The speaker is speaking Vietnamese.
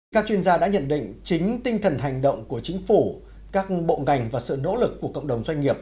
các chuyên gia đã nhận định chính tinh thần hành động của chính phủ các bộ ngành và sự nỗ lực của cộng đồng doanh nghiệp